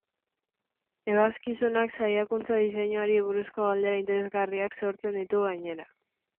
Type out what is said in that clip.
Ebazkizunak saiakuntza diseinuari buruzko galdera interesgarriak sortzen ditu, gainera.